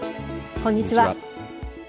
こんにちは。